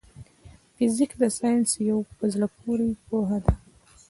فزيک د ساينس يو په زړه پوري پوهه ده.